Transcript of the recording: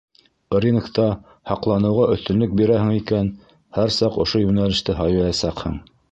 Рингта һаҡланыуға өҫтөнлөк бирәһең икән, һәр саҡ ошо йүнәлеште һайлаясаҡһың.